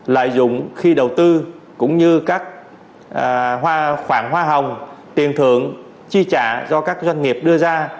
lợi dụng khi đầu tư cũng như các khoản hoa hồng tiền thưởng chi trả do các doanh nghiệp đưa ra